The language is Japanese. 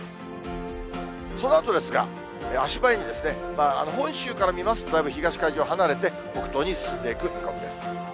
そのあとですが、足早に、本州から見ますとだいぶ東海上離れて、北東に進んでいく見込みです。